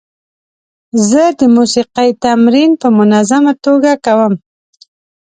زه د موسیقۍ تمرین په منظمه توګه کوم.